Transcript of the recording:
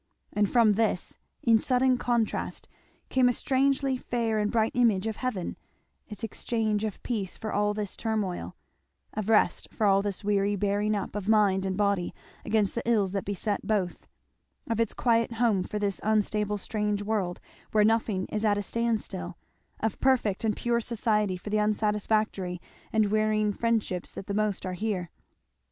And from this, in sudden contrast, came a strangely fair and bright image of Heaven its exchange of peace for all this turmoil, of rest for all this weary bearing up of mind and body against the ills that beset both, of its quiet home for this unstable strange world where nothing is at a stand still of perfect and pure society for the unsatisfactory and wearying friendships that the most are here.